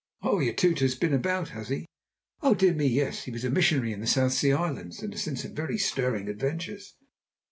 "Oh, your tutor has been about, has he?" "Dear me, yes! He was a missionary in the South Sea Islands, and has seen some very stirring adventures."